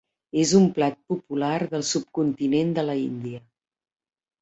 És un plat popular del subcontinent de la Índia.